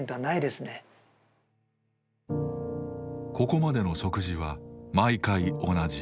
ここまでの食事は毎回同じ。